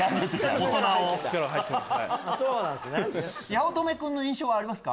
八乙女君の印象はありますか？